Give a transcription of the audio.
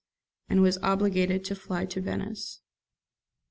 and was obliged to fly to Venice.